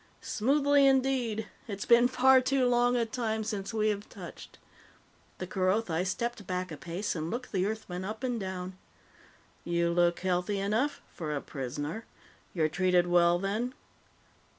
"Smoothly, indeed. It's been far too long a time since we have touched." The Kerothi stepped back a pace and looked the Earthman up and down. "You look healthy enough for a prisoner. You're treated well, then?"